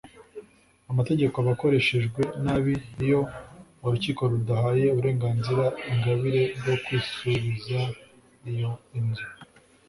amategeko aba akoreshejwe nabi iyo urukiko rudahaye uburenganzira ingabire bwo kwisubiza iyo inzu